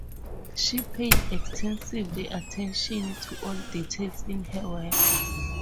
She paid extensive attention to all details in her work.